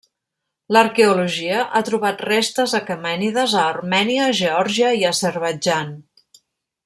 L'arqueologia ha trobat restes aquemènides a Armènia, Geòrgia i Azerbaidjan.